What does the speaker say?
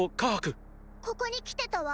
ここに来てたわ！